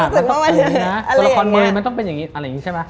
ตัวละครเมลมันต้องเป็นอย่างงี้อะไรอย่างงี้ใช่ปะ